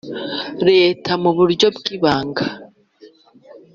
Leta mu buryo bw ibanga